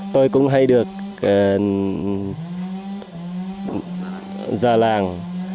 tôi cũng hay được già làng